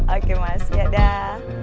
oke mas ya dah